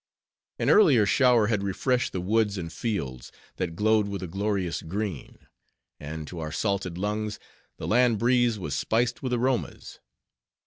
An early shower had refreshed the woods and fields, that glowed with a glorious green; and to our salted lungs, the land breeze was spiced with aromas.